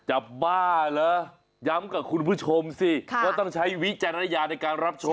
บ้าเหรอย้ำกับคุณผู้ชมสิว่าต้องใช้วิจารณญาณในการรับชม